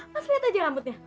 mas lihat aja rambutnya